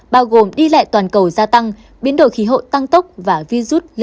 bao gồm đi lẹ toàn cầu gia tăng biến đổi khí hậu tăng tốc và vi rút lây lan nhanh hơn